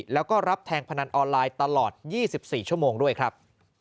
แล้วก็รับแทงพนันออนไลน์ตลอด๒๔ชั่วโมงด้วยครับ